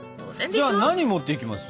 じゃあ何持っていきます？